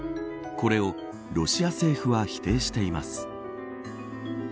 これをロシア政府は否定しています。